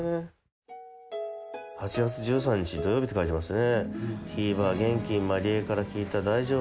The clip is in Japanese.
８月１３日土曜日って書いてありますね。